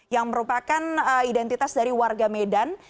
yang merupakan identitas dari warga medan